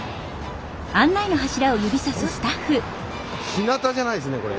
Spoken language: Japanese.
「ひなた」じゃないですねこれ。